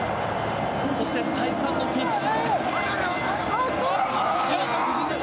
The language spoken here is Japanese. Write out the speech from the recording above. そして再三のピンチ。